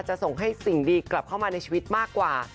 จะส่งให้สิ่งดีกลับเข้ามาในชีวิตมากกว่า